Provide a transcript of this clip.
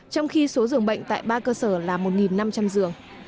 trong khi số dường bệnh tại ba cơ sở là một năm trăm linh giường